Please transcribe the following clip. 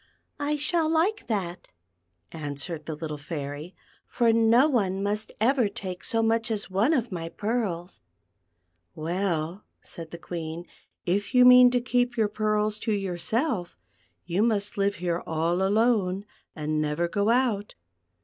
"I shall like that," answered the little Fairy, "for no one must ever take so much as one of my pearls." 4 THE PEARL FOUNTAIN. "Well," said the Queen, "if you mean to keep your pearls to yourself, you must live here all alone, and never go out."